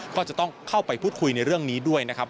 ก็จะต้องเข้าไปพูดคุยในเรื่องนี้ด้วยนะครับ